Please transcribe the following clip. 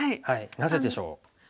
なぜでしょう？